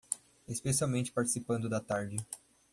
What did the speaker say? Especialmente participando da tarde